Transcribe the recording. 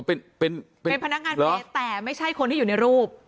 เป็นเป็นพนักงานเฟย์แต่ไม่ใช่คนที่อยู่ในรูป